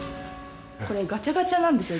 これガチャガチャなんですよ